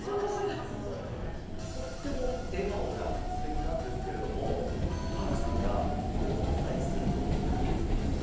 とっても笑顔がすてきなんですけども、Ｐａｒｋさんが怒ったりすることってあるんですか？